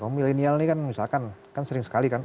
kaum milenial ini kan misalkan kan sering sekali kan